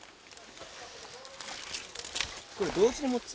これ同時に持ち。